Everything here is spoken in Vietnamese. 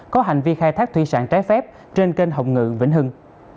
có hành vi khai thác thủy sản trái phép trên kênh hồng ngự vĩnh hưng